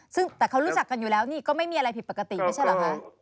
ซึ่งแต่เขารู้จักกันอยู่แล้วนี่ก็ไม่มีอะไรผิดปกติไม่ใช่เหรอคะ